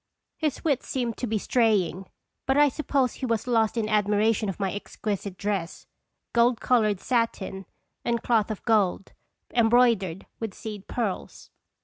His wits seemed to be straying; but I suppose he was lost in admiration of my ex quisite dress gold colored satin and cloth of gold, embroidered with seed pearls.